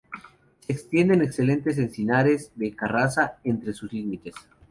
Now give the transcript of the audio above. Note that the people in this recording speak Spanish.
Se extienden excelentes encinares de carrasca entre sus límites.